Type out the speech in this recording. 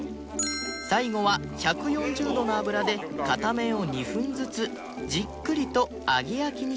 最後は１４０度の油で片面を２分ずつじっくりと揚げ焼きにします